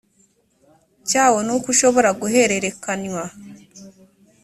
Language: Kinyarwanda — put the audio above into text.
cyawo n uko ushobora guhererekanywa